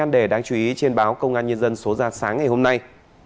để đáng chú ý trên báo công an nhân dân số ra sáng ngày hôm nay